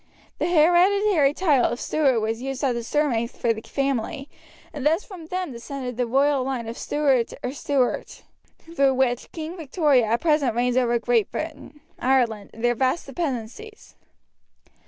The hereditary title of Steward was used as the surname for the family, and thus from them descended the royal line of Stewart or Stuart, through which Queen Victoria at present reigns over Great Britain, Ireland, and their vast dependencies.